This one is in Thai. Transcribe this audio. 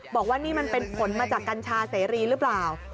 บอกว่านี่มันเป็นผลมาจากกัญชาเสรีหรือเปล่า